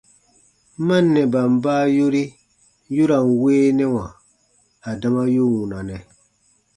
Mannɛban baa yori yu ra n weenɛwa adama yu wunanɛ.